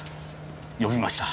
呼びました。